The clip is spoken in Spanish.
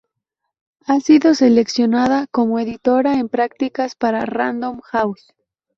Ha sido seleccionada como editora en prácticas para Random House.